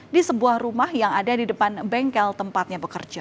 di sebuah rumah yang ada di depan bengkel tempatnya bekerja